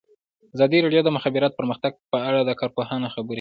ازادي راډیو د د مخابراتو پرمختګ په اړه د کارپوهانو خبرې خپرې کړي.